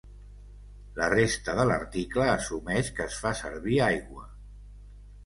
La resta de l'article assumeix que es fa servir aigua.